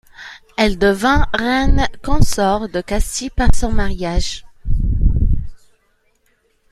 Elle devint reine consort de Castille par son mariage.